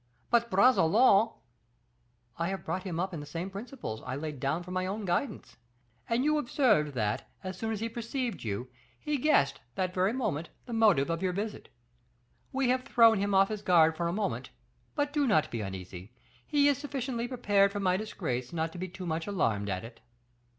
"But, Bragelonne " "I have brought him up in the same principles I laid down for my own guidance; and you observed that, as soon as he perceived you, he guessed, that very moment, the motive of your visit. We have thrown him off his guard for a moment; but do not be uneasy, he is sufficiently prepared for my disgrace not to be too much alarmed at it.